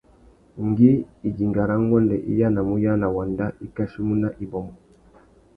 Ngüi idinga râ nguêndê i yānamú uyāna wanda, i kachimú nà ibômô.